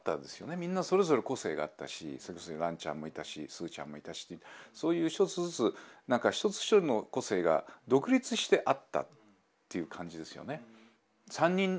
みんなそれぞれ個性があったしランちゃんもいたしスーちゃんもいたしそういう一つずつ一人一人の個性が独立してあったっていう感じですよね。